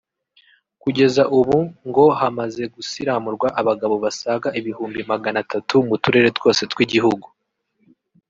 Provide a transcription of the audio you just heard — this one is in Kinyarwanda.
Kugeza ubu ngo hamaze gusiramurwa abagabo basaga ibihumbi magana atatu mu turere twose tw’igihugu